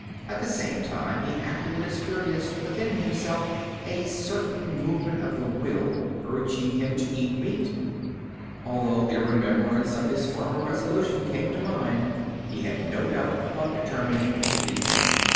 At the same time he afterward experienced within himself a certain movement of the will, urging him to eat meat. Although the remembrance of his former resolution came to mind, he had no doubt about determining to eat meat.